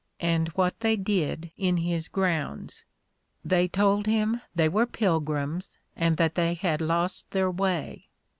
and what they did in his grounds? They told him they were Pilgrims, and that they had lost their way.